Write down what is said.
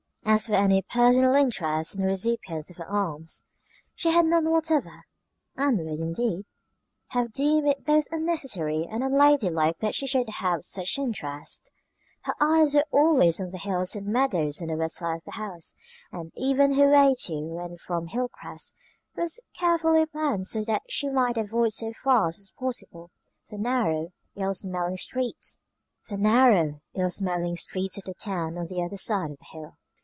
As for any personal interest in the recipients of her alms, she had none whatever; and would, indeed, have deemed it both unnecessary and unladylike that she should have had such interest. Her eyes were always on the hills and meadows on the west side of the house, and even her way to and from Hilcrest was carefully planned so that she might avoid so far as was possible, the narrow, ill smelling streets of the town on the other side of the hill.